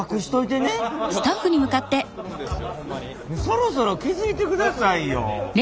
そろそろ気付いてくださいよ。